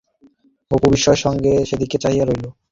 অপু বিস্ময়ের সঙ্গে সেদিকে চাহিয়া রহিল।